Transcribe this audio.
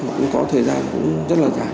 cũng có thời gian rất là dài